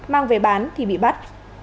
mang về bán thì bị bắt